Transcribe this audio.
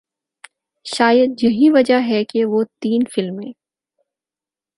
شاید یہی وجہ ہے کہ وہ تین فلمیں